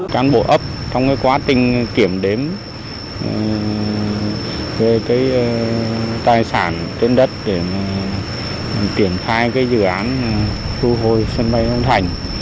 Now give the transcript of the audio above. cán bộ ấp trong quá trình kiểm đếm về tài sản tiến đất để tiển khai dự án thu hồi sân bay long thành